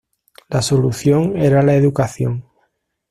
La solución era la educación.